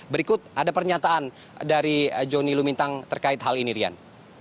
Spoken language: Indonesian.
berikut ada pernyataan dari joni lumintang terkait hal ini rian